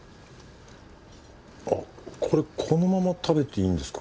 あっこれこのまま食べていいんですか？